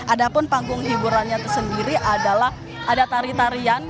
ada pun panggung hiburannya tersendiri adalah ada tari tarian